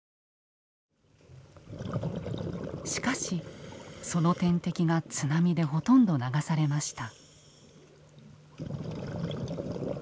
しかしその天敵が津波でほとんど流されました。